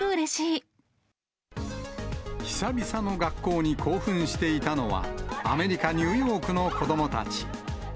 学校に戻ってこられてすごく久々の学校に興奮していたのは、アメリカ・ニューヨークの子どもたち。